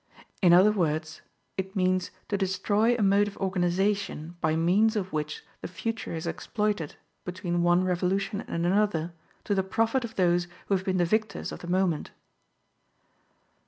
In other words, it means to destroy a mode of organization by means of which the future is exploited, between one revolution and another, to the profit of those who have been the victors of the moment.